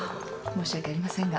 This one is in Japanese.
申し訳ありませんが。